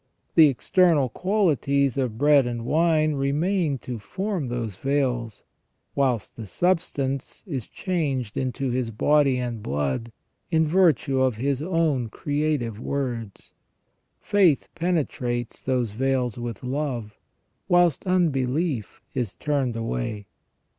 The external qualities of bread and wine remain to form those veils, whilst the substance is changed into His body and blood in virtue of His own creative words. Faith penetrates those veils with love, whilst unbelief is turned away.